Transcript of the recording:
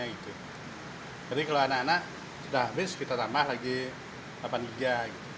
jadi kalau anak anak sudah habis kita tambah lagi delapan giga